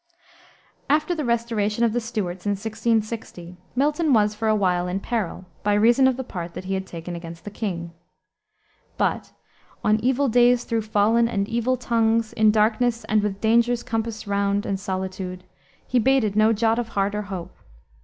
After the restoration of the Stuarts, in 1660, Milton was for a while in peril, by reason of the part that he had taken against the king. But "On evil days though fallen, and evil tongues, In darkness and with dangers compassed round And solitude," he bated no jot of heart or hope.